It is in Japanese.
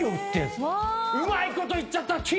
うまいこといっちゃった！